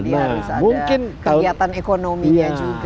jadi harus ada kegiatan ekonominya juga